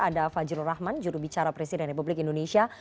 ada fajrul rahman jurubicara presiden republik indonesia